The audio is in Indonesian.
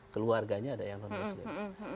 keluarganya ada yang non muslim